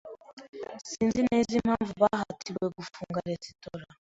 Sinzi neza impamvu bahatiwe gufunga resitora.